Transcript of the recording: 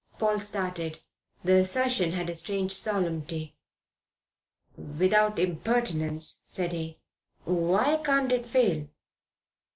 Paul started. The assertion had a strange solemnity. "Without impertinence," said he, "why can't it fail?"